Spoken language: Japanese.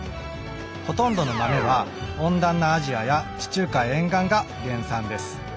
ほとんどの豆は温暖なアジアや地中海沿岸が原産です。